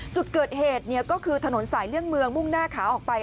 จุดเกิดเหตุก็คือถนนสายเลี่ยงเมืองมุ่งหน้าขาออกไป